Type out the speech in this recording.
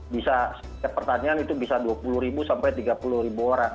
bisa setiap pertanyaan itu bisa dua puluh sampai tiga puluh orang